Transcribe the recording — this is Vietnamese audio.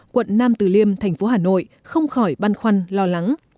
quận nam từ liêm thành phố hà nội không khỏi băn khoăn lo lắng